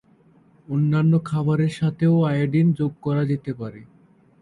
অন্যান্য খাবারের সাথেও আয়োডিন যোগ করা যেতে পারে।